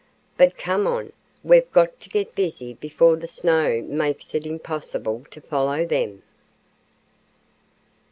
But come on, we've got to get busy before the snow makes it impossible to follow them."